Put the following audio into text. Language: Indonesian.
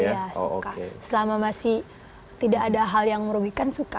iya suka selama masih tidak ada hal yang merugikan suka